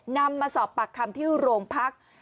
นำมาสอบปากคำที่โรงพัก